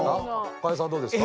河井さんはどうですか？